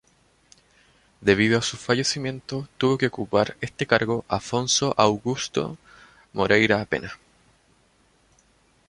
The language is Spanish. Debido a su fallecimiento, tuvo que ocupar este cargo Afonso Augusto Moreira Pena.